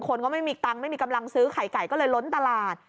คนก็ไม่มีตังค์ไม่มีกำลังซื้อไข่ไก่ก็เลยล้นตลาด